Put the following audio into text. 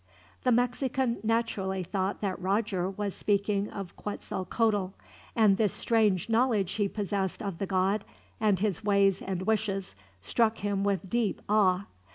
The Mexican naturally thought that Roger was speaking of Quetzalcoatl, and this strange knowledge he possessed of the god, and his ways and wishes, struck him with deep awe.